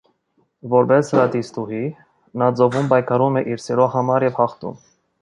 Որպես ռադիստուհի՝ նա ծովում պայքարում է իր սիրո համար և հաղթում։